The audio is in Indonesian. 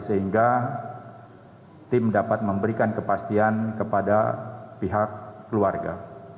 sehingga tim dapat memberikan kepastian kepada pihak keluarga